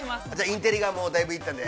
◆インテリがもうだいぶ行ったんで。